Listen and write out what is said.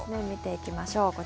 見ていきましょう。